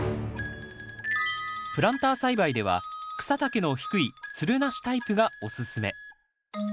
プランター栽培では草丈の低いつるなしタイプがおすすめ。